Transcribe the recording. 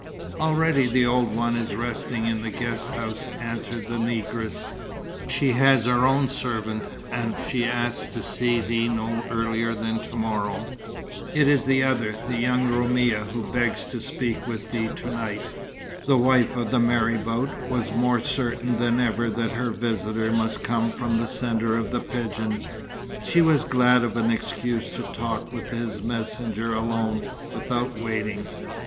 "Already the old one is resting in the guest house," answered the negress. "She has her own servant, and she asks to see thee no earlier than to morrow, when she has rested, and is able to pay thee her respects. It is the other, the young Roumia, who begs to speak with thee to night." The wife of the marabout was more certain than ever that her visitor must come from the sender of the pigeon. She was glad of an excuse to talk with his messenger alone, without waiting.